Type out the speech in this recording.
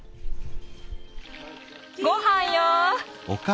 ・ごはんよ！